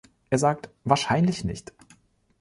Er sagt: „Wahrscheinlich nicht“.